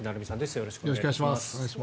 よろしくお願いします。